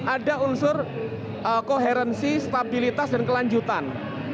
ada unsur koherensi stabilitas dan kelanjutan